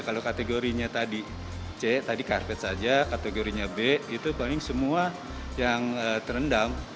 kalau kategorinya tadi c tadi karpet saja kategorinya b itu paling semua yang terendam